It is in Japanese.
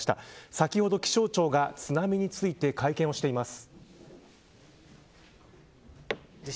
先ほど気象庁が津波について会見をしています。